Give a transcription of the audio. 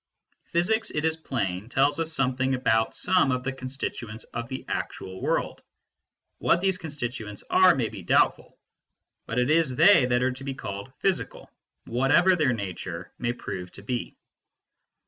Physics, it is plain, tells us some thing about some of the constituents of the actual world ; what these constituents are may be doubtful, but it is they that are to be called physical, whatever their nature may prove to be.